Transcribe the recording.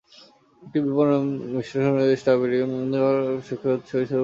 একটি বিপণন বিশ্লেষণ অনুযায়ী স্ট্রবেরি এবং অন্যান্য বেরি ফল গ্রাহকদের "সুখের" উৎস হিসেবে চিহ্নিত করেছিল।